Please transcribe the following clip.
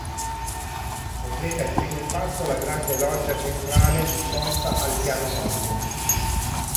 Completa il primo impatto la grande loggia centrale disposta al piano nobile.